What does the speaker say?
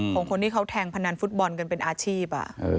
ของคนที่เขาแทงพนันฟุตบอลกันเป็นอาชีพ